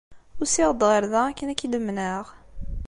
Usiɣ-d ɣer da akken ad k-id-menɛeɣ.